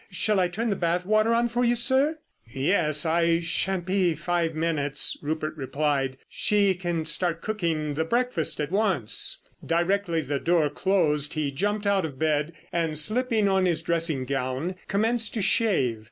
Shall I turn the bath water on for you, sir?" "Yes, I shan't be five minutes," Rupert replied. "She can start cooking the breakfast at once." Directly the door closed he jumped out of bed, and slipping on his dressing gown commenced to shave.